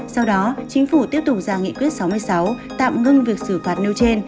sau đó chính phủ tiếp tục ra nghị quyết sáu mươi sáu tạm ngưng việc xử phạt nêu trên